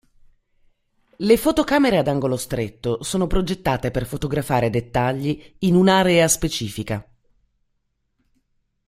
Le fotocamere ad angolo stretto sono progettate per fotografare dettagli in un'area specifica.